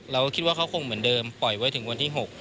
เราคิดว่าเขาคงเหมือนเดิมปล่อยไว้ถึงวันที่๖